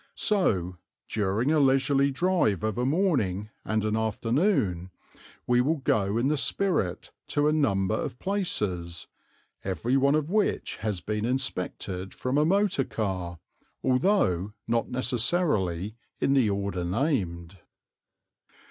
So, during a leisurely drive of a morning and an afternoon, we will go in the spirit to a number of places, every one of which has been inspected from a motor car, although not necessarily in the order named.